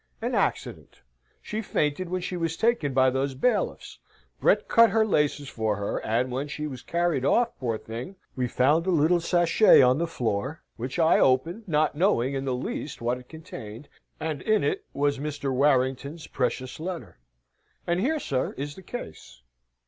"An accident. She fainted when she was taken by those bailiffs. Brett cut her laces for her; and when she was carried off, poor thing, we found a little sachet on the floor, which I opened, not knowing in the least what it contained. And in it was Mr. Harry Warrington's precious letter. And here, sir, is the case."